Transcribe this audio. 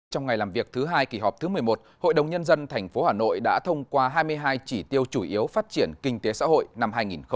trong ngày làm việc thứ hai kỳ họp thứ một mươi một hội đồng nhân dân tp hà nội đã thông qua hai mươi hai chỉ tiêu chủ yếu phát triển kinh tế xã hội năm hai nghìn hai mươi